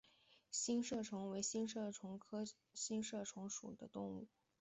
星射虫为星射虫科星射虫属的动物。